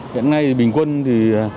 hiện nay bình quân thì